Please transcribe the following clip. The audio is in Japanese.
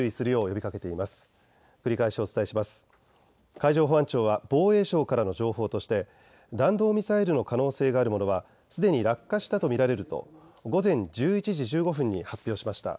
海上保安庁は防衛省からの情報として弾道ミサイルの可能性があるものはすでに落下したと見られると午前１１時１５分に発表しました。